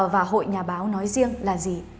và hội nhà báo nói riêng là gì